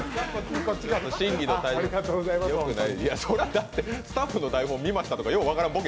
だってスタッフの台本見ましたとか、よう分からん